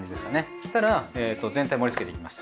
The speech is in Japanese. そしたら全体盛りつけていきます。